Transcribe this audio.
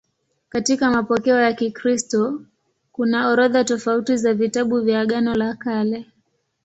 Katika mapokeo ya Kikristo kuna orodha tofauti za vitabu vya Agano la Kale.